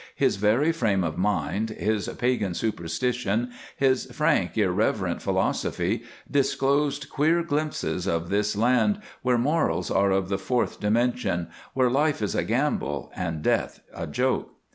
His very frame of mind, his pagan superstition, his frank, irreverent philosophy, disclosed queer glimpses of this land where morals are of the fourth dimension, where life is a gamble and death a joke.